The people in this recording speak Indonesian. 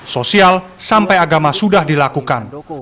sosial sampai agama sudah dilakukan